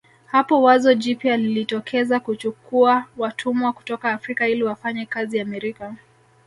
Hapo wazo jipya lilijitokeza kuchukua watumwa kutoka Afrika ili wafanye kazi Amerika